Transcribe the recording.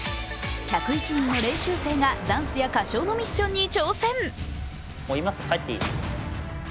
１０１人の練習生がダンスや歌唱のミッションに挑戦。